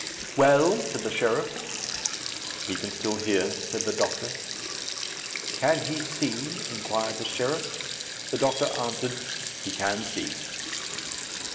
"Well?" said the sheriff. "He can still hear," said the doctor. "Can he see?" inquired the sheriff. The doctor answered, "He can see."